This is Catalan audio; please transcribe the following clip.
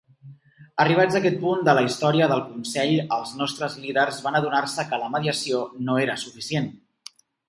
Arribats a aquest punt de la història del Consell, els nostres líders van adonar-se que la mediació no era suficient.